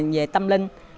về tâm linh